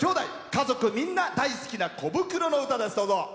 家族みんな大好きなコブクロの歌です。